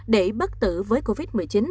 để bắt tử với covid một mươi chín